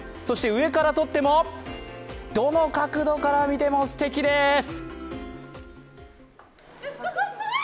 そして上から撮っても、どの角度から見ても素敵です。